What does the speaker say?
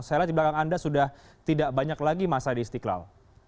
saya lihat di belakang anda sudah tidak banyak lagi masa di istiqlal